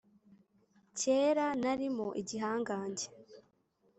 Kera nari mo igihangange